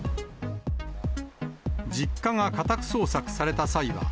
実家が家宅捜索された際は。